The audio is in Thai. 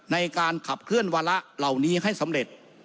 ในการขับเคลื่อนวาระเหล่านี้ให้สำเร็จ